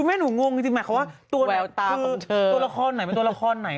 คุณแม่หนูงงจริงหมายความว่าตัวละครไหนเป็นตัวละครไหน